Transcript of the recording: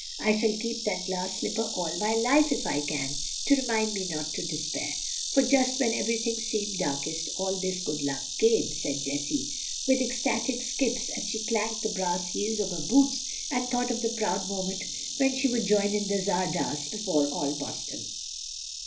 I shall keep that glass slipper all my life, if I can, to remind me not to despair; for just when everything seemed darkest, all this good luck came," said Jessie, with ecstatic skips as she clanked the brass heels of her boots and thought of the proud moment when she would join in the tzardas before all Boston.